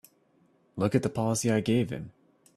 Look at the policy I gave him!